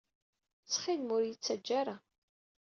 Ttxil-m ur d-iyi-ttaǧǧa ara.